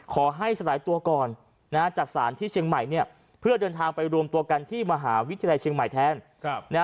สลายตัวก่อนจากศาลที่เชียงใหม่เพื่อเดินทางไปรวมตัวกันที่มหาวิทยาลัยเชียงใหม่แทน